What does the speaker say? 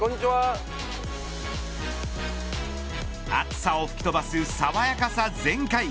暑さを吹き飛ばす爽やかさ全開。